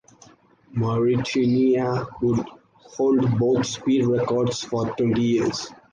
"Mauretania" would hold both speed records for twenty years.